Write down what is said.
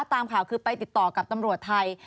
ตามข่าวคือไปติดต่อกับตำรวจไทย